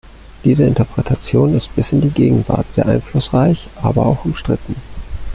Diese Interpretation ist bis in die Gegenwart sehr einflussreich, aber auch umstritten.